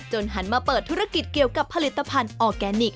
หันมาเปิดธุรกิจเกี่ยวกับผลิตภัณฑ์ออร์แกนิค